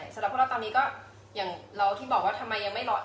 สำหรับพวกเราตอนนี้ก็อย่างเราที่บอกว่าทำไมยังไม่หลอด